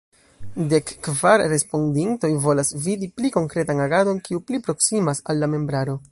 Dek kvar respondintoj volas vidi pli konkretan agadon kiu pli proksimas al la membraro.